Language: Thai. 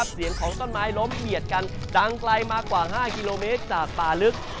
เสียงของต้นไม้ล้มเหยียดกันดังไกลมากว่า๕กิโลเมตรจากป่าลึก